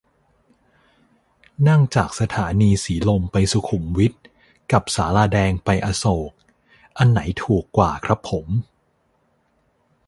นั่งจากสถานีสีลมไปสุขุมวิท กับศาลาแดงไปอโศก อันไหนถูกกว่าครับผม